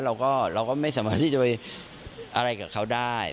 เราก็ไม่สามารถที่จะไปอะไรกับเขาได้